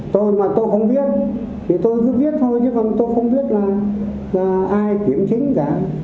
tôi mà tôi không viết thì tôi cứ viết thôi chứ mà tôi không viết là ai kiểm chứng cả